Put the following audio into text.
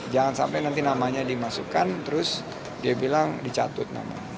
jangan sampai nanti namanya dimasukkan terus dia bilang dicatut